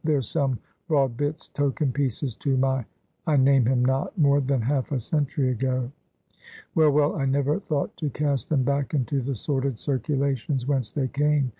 There's some broad bits, token pieces to my I name him not more than half a century ago. Well, well, I never thought to cast them back into the sordid circulations whence they came.